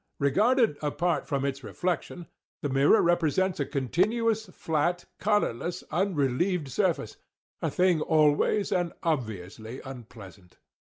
Regarded apart from its reflection, the mirror presents a continuous, flat, colourless, unrelieved surface,—a thing always and obviously unpleasant.